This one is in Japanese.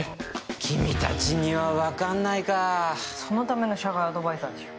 君達には分かんないかそのための社外アドバイザーでしょ